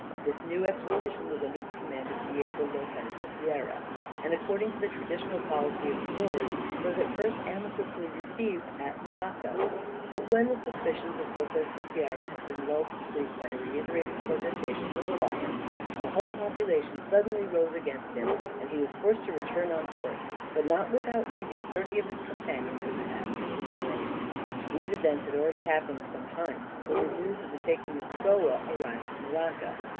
This new expedition was under the command of Diego Lopez Sequeira, and according to the traditional policy of the Moors, was at first amicably received at Malacca; but when the suspicions of Lopez Sequeira had been lulled to sleep by reiterated protestations of alliance, the whole population suddenly rose against him, and he was forced to return on board, but not without leaving thirty of his companions in the hands of the Malays. These events had already happened some time when the news of the taking of Goa arrived at Malacca.